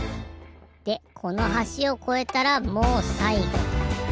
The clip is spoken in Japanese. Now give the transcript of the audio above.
でこのはしをこえたらもうさいご。